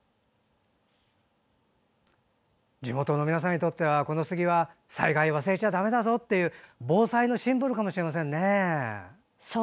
地元の皆さんにとってはこの杉は災害を忘れちゃだめだぞっていう防災のシンボルかもしれませんね。